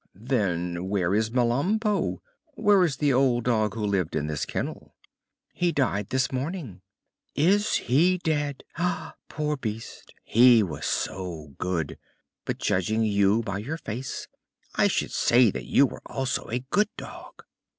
"Then where is Melampo? Where is the old dog who lived in this kennel?" "He died this morning." "Is he dead? Poor beast! He was so good. But, judging you by your face, I should say that you were also a good dog."